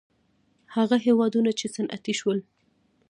هغه هېوادونه چې صنعتي شول.